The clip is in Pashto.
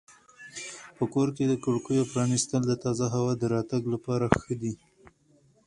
په کور کې د کړکیو پرانیستل د تازه هوا د راتګ لپاره ښه دي.